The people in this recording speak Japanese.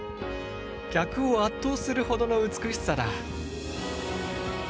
客を圧倒するほどの美しさだ。